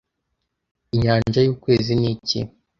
Inyanja y'ukwezi ni iki